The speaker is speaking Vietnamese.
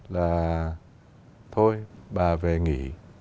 là thôi bà về nghỉ